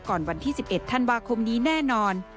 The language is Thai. วันที่๑๑ธันวาคมนี้แน่นอน